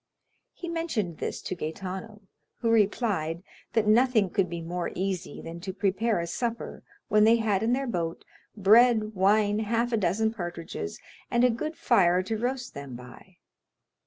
He mentioned this to Gaetano, who replied that nothing could be more easy than to prepare a supper when they had in their boat, bread, wine, half a dozen partridges, and a good fire to roast them by.